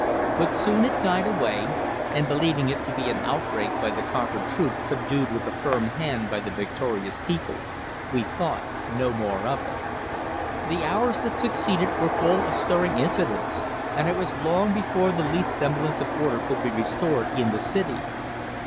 But soon it died away, and believing it to be an outbreak by the conquered troops subdued with a firm hand by the victorious people, we thought no more of it. The hours that succeeded were full of stirring incidents, and it was long before the least semblance of order could be restored in the city.